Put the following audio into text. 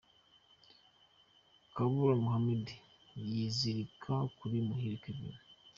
Kabula Mohammed yizirika kuri Muhire Kevin.